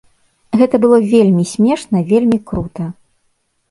Гэта было вельмі смешна, вельмі крута.